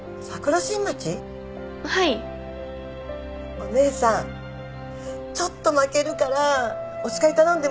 お姉さんちょっとまけるからお使い頼んでもいい？